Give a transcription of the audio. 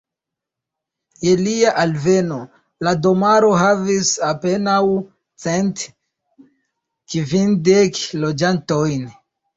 Je lia alveno, la domaro havis apenaŭ cent kvindek loĝantojn.